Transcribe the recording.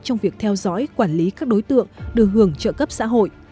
trong việc theo dõi quản lý các đối tượng được hưởng trợ cấp xã hội